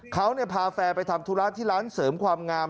เขาพาแฟนไปทำธุระที่ร้านเสริมความงาม